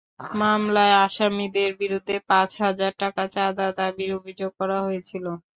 মামলায় আসামিদের বিরুদ্ধে পাঁচ হাজার টাকা চাঁদা দাবির অভিযোগ করা হয়েছিল।